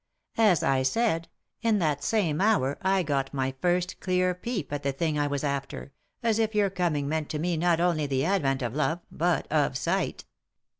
As I said, in that same hour I got my first clear peep at the thing I was after, as if your coming meant to me not only the advent of love, but of sight."